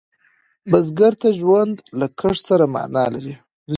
بزګر ته ژوند له کښت سره معنا لري